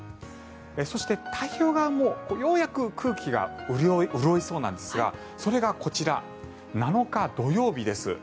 そして、太平洋側も、ようやく空気が潤いそうなんですがそれがこちら７日土曜日です。